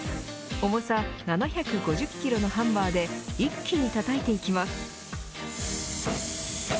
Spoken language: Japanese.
重さ７５０キロのハンマーで一気にたたいていきます。